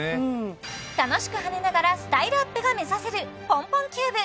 楽しく跳ねながらスタイルアップが目指せるポンポンキューブ